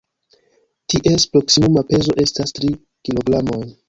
Ties proksimuma pezo estas tri kilogramoj.